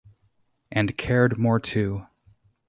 And cared more too.